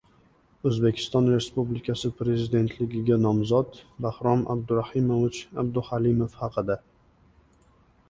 O‘zbekiston Respublikasi Prezidentligiga nomzod Bahrom Abdurahimovich Abduhalimov haqida